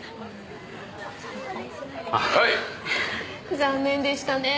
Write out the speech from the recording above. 残念でしたねぇ。